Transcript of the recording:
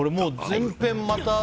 全編また。